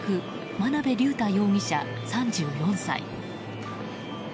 真辺龍太容疑者、３４歳。